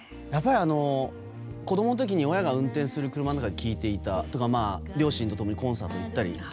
子どものときに親が運転する車の中で聴いていたり両親と共にコンサートに行ったりとか。